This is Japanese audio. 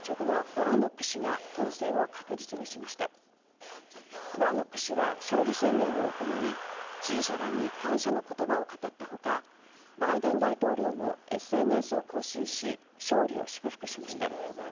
ワーノック氏は勝利宣言を行い支持者らに感謝の言葉を語った他バイデン大統領もＳＮＳを更新し勝利を祝福しました。